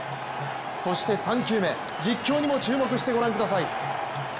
そして３球目実況にも注目してご覧ください。